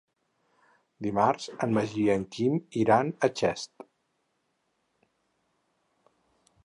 Dimarts en Magí i en Quim iran a Xest.